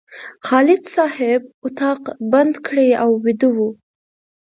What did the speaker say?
خالد صاحب اتاق بند کړی او ویده و.